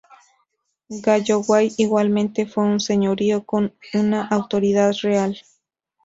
Galloway, igualmente, fue un señorío con una autoridad real.